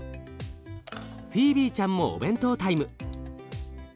フィービーちゃんもお弁当タイム。